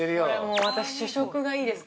もう私、主食がいいです。